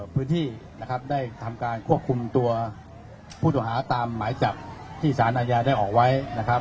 พื้นที่นะครับได้ทำการควบคุมตัวผู้ต้องหาตามหมายจับที่สารอาญาได้ออกไว้นะครับ